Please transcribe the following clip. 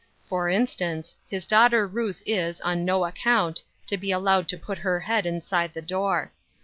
For instance, his daughter Ruth is, on no account, to be allowed to put her head inside the door.